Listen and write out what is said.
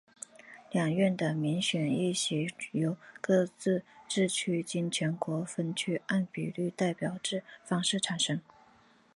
两院的民选议席由各自治区经全国分区按比例代表制方式产生。